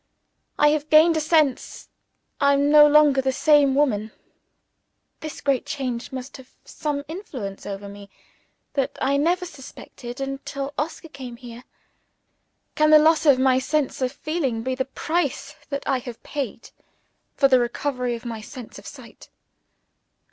I have gained a sense I am no longer the same woman. This great change must have had some influence over me that I never suspected until Oscar came here. Can the loss of my sense of feeling be the price that I have paid for the recovery of my sense of sight?